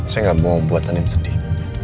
saya gak mau membuat andin sedih